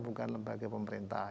bukan lembaga pemerintah